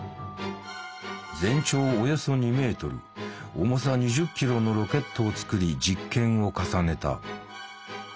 全長およそ２ｍ重さ２０ｋｇのロケットを作り実験を重ねた。